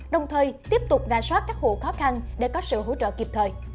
đồng thời tiếp tục ra soát các hộ khó khăn để có sự hỗ trợ kịp thời